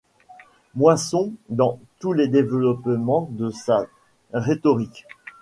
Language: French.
Moisson dans tous les développements de sa rhétorique.